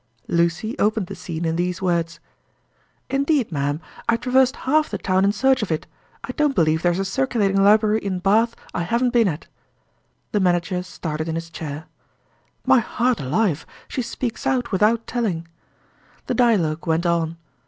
Lucy opened the scene in these words: "Indeed, ma'am, I traversed half the town in search of it: I don't believe there's a circulating library in Bath I haven't been at." The manager started in his chair. "My heart alive! she speaks out without telling!" The dialogue went on.